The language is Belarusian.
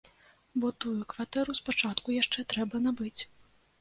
Бо тую кватэру спачатку яшчэ трэба набыць.